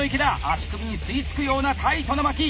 足首に吸い付くようタイトな巻き。